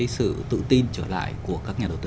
sự tự tin trở lại của các nhà đầu tư